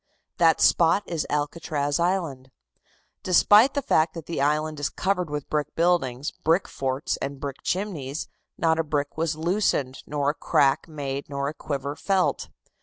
That spot is Alcatraz Island. Despite the fact that the island is covered with brick buildings, brick forts and brick chimneys, not a brick was loosened nor a crack made nor a quiver felt.